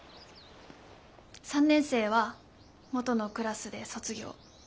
３年生は元のクラスで卒業。